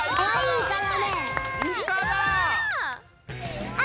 イカだ！